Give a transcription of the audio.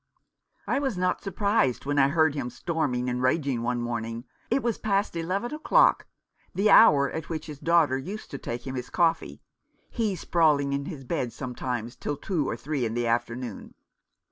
" I was not surprised when I heard him storming and raging one morning. It was past eleven o'clock, the hour at which his daughter used to take him his coffee, he sprawling in his bed some times till two or three in the afternoon.